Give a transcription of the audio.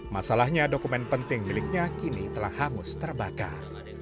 masalahnya dokumen penting miliknya kini telah hangus terbakar